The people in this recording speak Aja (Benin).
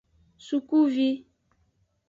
Sukuvi.